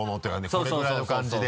これぐらいの感じで。